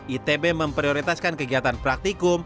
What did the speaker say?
itb memprioritaskan kegiatan praktik